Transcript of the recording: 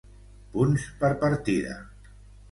Punts per partida.